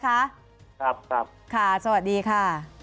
คุณแจ๊คคะสวัสดีค่ะ